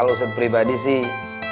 kalau sepribadi sih